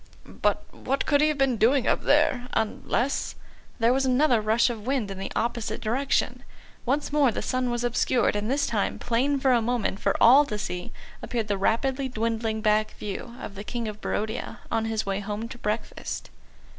"But what could he have been doing up there? Unless " There was another rush of wind in the opposite direction; once more the sun was obscured, and this time, plain for a moment for all to see, appeared the rapidly dwindling back view of the King of Barodia on his way home to breakfast.